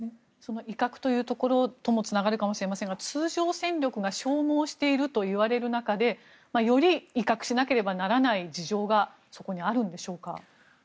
威嚇というところとつながるかもしれませんが通常戦力が消耗しているといわれる中でより威嚇しなければならない事情がそこにあるんでしょうか。